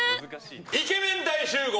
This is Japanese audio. イケメン大集合！